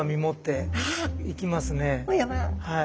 はい。